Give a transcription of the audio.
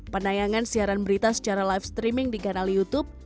penayangan siaran berita secara live streaming di kanal youtube